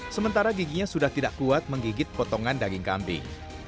sementara giginya sudah tidak kuat menggigit potongan daging kambing